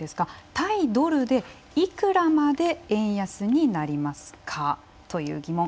対ドルでいくらまで円安になりますか？」という疑問。